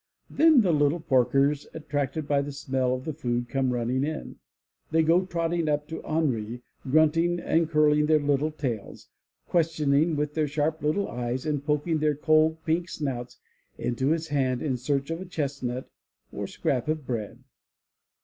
Then the little porkers, attracted by the smell of the food, come running in. They go trotting up to Henri, grunting and curling their little tails, questioning with their sharp little eyes, and poking their cold, pink snouts into his hand in search of a chestnut or scrap of bread.